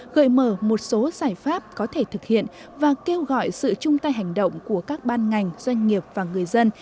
gợi mở một số giải pháp có thể thực hiện và kêu gọi sự chung tay hành động của các ban ngành doanh nghiệp và người dân